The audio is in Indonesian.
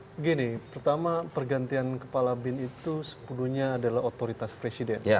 begini pertama pergantian kepala bin itu sepuluhnya adalah otoritas presiden